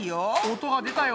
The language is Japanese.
音が出たよ。